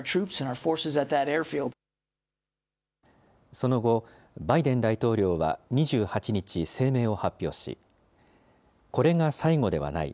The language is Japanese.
その後、バイデン大統領は２８日、声明を発表し、これが最後ではない。